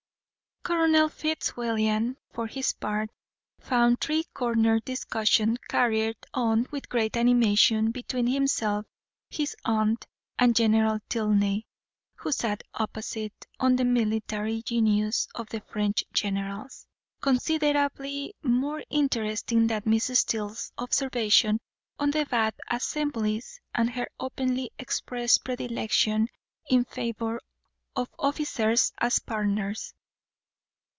Colonel Fitzwilliam, for his part, found three cornered discussion carried on with great animation between himself, his aunt, and General Tilney, who sat opposite, on the military genius of the French generals, considerably more interesting than Miss Steele's observation on the Bath assemblies and her openly expressed predilection in favour of officers as partners.